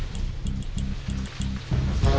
masuk dulu ya